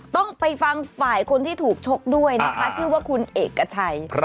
ต้องไปฟังฝ่ายคนที่ถูกชกด้วยนะคะชื่อว่าคุณเอกชัย